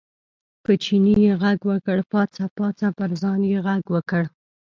په چیني یې غږ وکړ، پاڅه پاڅه، پر ځان یې غږ وکړ.